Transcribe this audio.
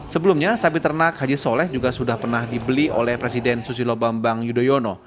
sebelumnya sapi ternak haji soleh juga sudah pernah dibeli oleh presiden susilo bambang yudhoyono